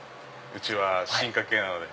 うちは進化系なので。